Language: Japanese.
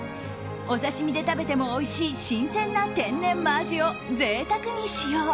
お刺し身で食べてもおいしい新鮮な天然真アジを贅沢に使用。